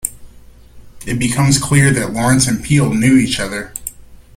It becomes clear that Lawrence and Peale knew each other.